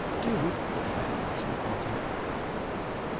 "Do!" added Nesta heartily.